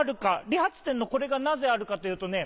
理髪店のこれがなぜあるかというとね